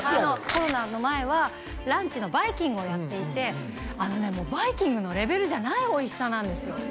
コロナの前はランチのバイキングをやっていてもうバイキングのレベルじゃないおいしさなんですよ